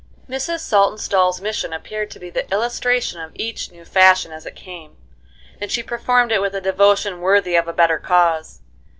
Mrs. Saltonstall's mission appeared to be the illustration of each new fashion as it came, and she performed it with a devotion worthy of a better cause.